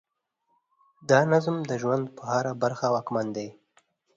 دا نظم د ژوند په هره برخه واکمن دی.